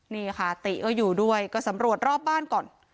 นี่ค่ะติก็อยู่ด้วยก็สำรวจรอบบ้านก่อน